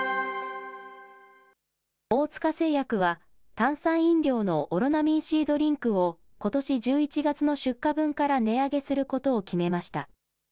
大塚製薬は、炭酸飲料のオロナミンＣドリンクをことし１１月の出荷分から値上げすることを決めました。